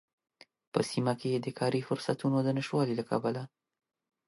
په سيمه کې د کاری فرصوتونو د نشتوالي له کبله